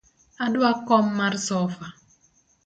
Adwa kom mar sofa.